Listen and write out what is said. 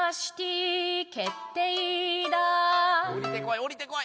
降りてこい！